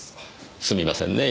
すみませんねぇ